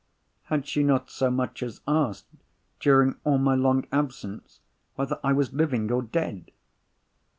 Had she not so much as asked, during all my long absence, whether I was living or dead?